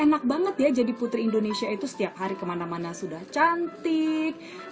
enak banget ya jadi putri indonesia itu setiap hari kemana mana sudah cantik